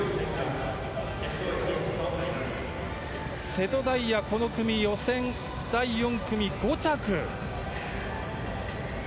瀬戸大也、この組予選第４組、５着。